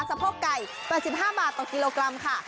สะโพกไก่๘๕บาทต่อกิโลกรัมค่ะ